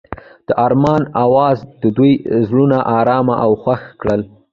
د آرمان اواز د دوی زړونه ارامه او خوښ کړل.